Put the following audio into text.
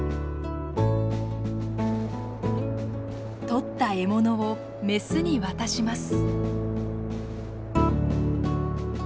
取った獲物を雌に渡します。